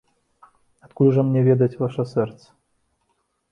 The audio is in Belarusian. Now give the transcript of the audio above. Адкуль жа мне ведаць ваша сэрца?